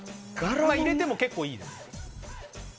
入れても結構いいです。